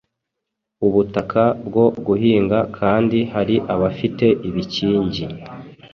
ubutaka bwo guhinga kandi hari abafite ibikingi